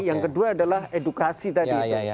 yang kedua adalah edukasi tadi itu